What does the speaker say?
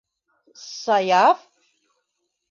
С-Саяф?